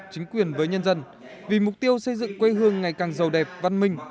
chính quyền với nhân dân vì mục tiêu xây dựng quê hương ngày càng giàu đẹp văn minh